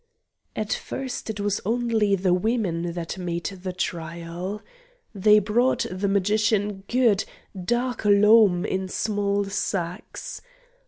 At first it was only the women that made the trial. They brought the magician good, dark loam in small sacks.